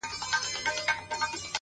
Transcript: ستا د مستۍ په خاطر-